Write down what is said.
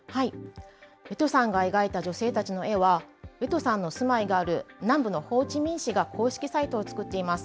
ベトさんが描いた女性たちの絵は、ベトさんの住まいがある南部のホーチミン市が公式サイトを作っています。